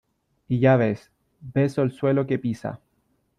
y ya ves , beso el suelo que pisa .